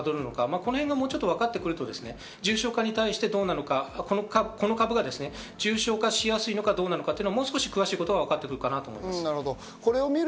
その辺がわかってくると重症化に対してどうなのか、この株が重症化しやすいのかどうなのか、もう少し詳しいことがわかってくると思います。